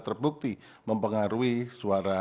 terbukti mempengaruhi suara